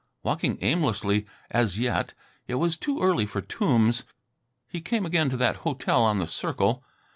Walking aimlessly as yet it was too early for tombs he came again to that hotel on the circle.